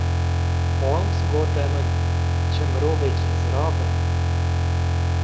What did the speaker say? Holmes, gote min: Çi mirovekî zirav e.